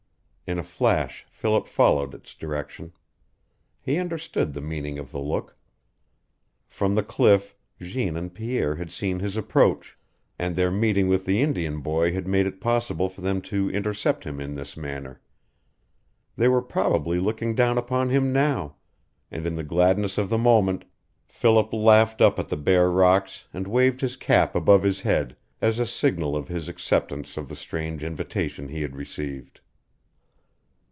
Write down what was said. In a flash Philip followed its direction. He understood the meaning of the look. From the cliff Jeanne and Pierre had seen his approach, and their meeting with the Indian boy had made it possible for them to intercept him in this manner. They were probably looking down upon him now, and in the gladness of the moment Philip laughed up at the bare rocks and waved his cap above his head as a signal of his acceptance of the strange invitation he had received.